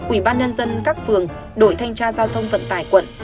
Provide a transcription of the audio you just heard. ủy ban nhân dân các phường đội thanh tra giao thông vận tải quận